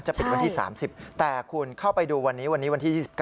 ปิดวันที่๓๐แต่คุณเข้าไปดูวันนี้วันนี้วันที่๒๙